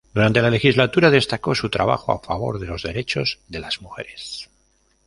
Durante la legislatura destacó su trabajo a favor de los derechos de las mujeres.